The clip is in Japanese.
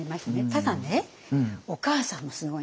ただねお母さんもすごいんです。